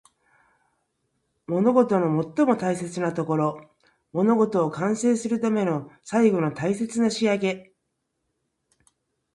物事の最も大切なところ。物事を完成するための最後の大切な仕上げ。